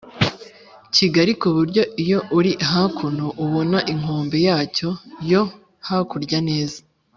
kigari ku buryo iyo uri hakuno ubona inkombe yacyo yo hakurya neza.